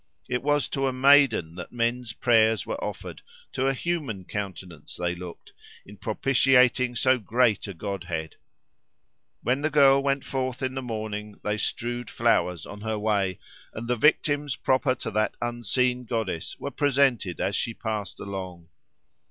It was to a maiden that men's prayers were offered, to a human countenance they looked, in propitiating so great a godhead: when the girl went forth in the morning they strewed flowers on her way, and the victims proper to that unseen goddess were presented as she passed along.